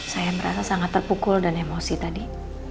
saya merasa sangat terpukul dan emosi tadi